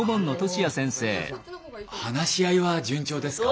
あの話し合いは順調ですか？